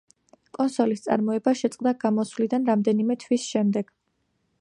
კონსოლის წარმოება შეწყდა გამოსვლიდან რამდენიმე თვის შემდეგ.